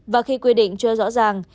và khi quy định chưa rõ ràng